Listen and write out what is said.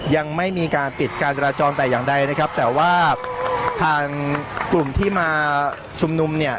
ยังไม่มีการปิดการจราจรแต่อย่างใดนะครับแต่ว่าทางกลุ่มที่มาชุมนุมเนี่ย